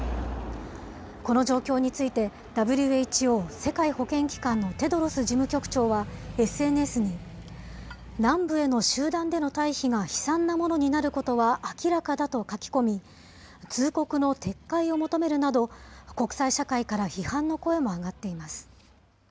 この状況について、ＷＨＯ・世界保健機関のテドロス事務局長はＳＮＳに、南部への集団での退避が悲惨なものになることは明らかだと書き込み、通告の撤回を求めるなど、国際社会から批判の声も上がっています。